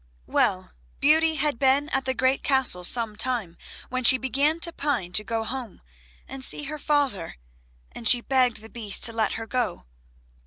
Well, Beauty had been at the great Castle some time when she began to pine to go home and see her father, and she begged the Beast to let her go.